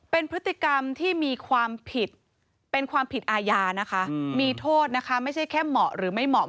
เป็นพฤติกรรมที่มีความผิดเป็นความผิดอาญานะคะมีโทษนะคะไม่ใช่แค่เหมาะหรือไม่เหมาะ